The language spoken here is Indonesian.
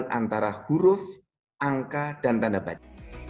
antara huruf angka dan tanda baca